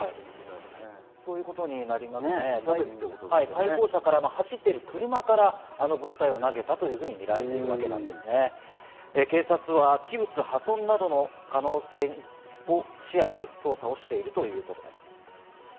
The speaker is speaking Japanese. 対向車から走っている車から物体を投げたとみられているわけなんですが、警察は器物破損などの可能性を視野に捜査をしているということです。